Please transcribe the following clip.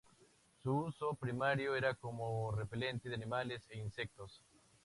Su uso primario era como repelente de animales e insectos.